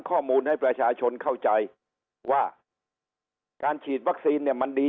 ข้อมูลให้ประชาชนเข้าใจว่าการฉีดวัคซีนเนี่ยมันดี